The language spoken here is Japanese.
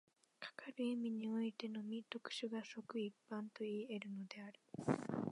かかる意味においてのみ、特殊が即一般といい得るのである。